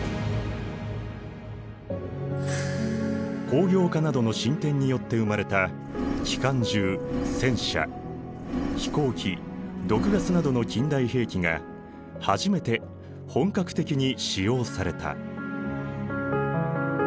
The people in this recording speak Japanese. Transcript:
工業化などの進展によって生まれた機関銃戦車飛行機毒ガスなどの近代兵器が初めて本格的に使用された。